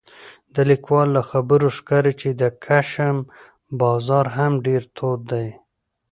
د لیکوال له خبرو ښکاري چې د کشم بازار هم ډېر تود دی